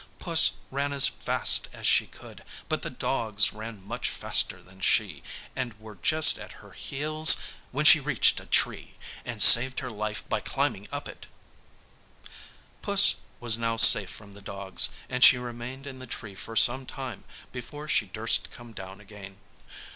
Puss ran as fast as she could, but the dogs ran much faster than she, and were just at her heels, when she reached a tree, and saved her life by climbing up it. Puss was now safe from the dogs, and she remained in the tree for some time before she durst come down again.